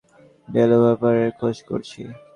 Jazz, তুমি জানো আমরা ডেভোলাপারের খোঁজ করছি।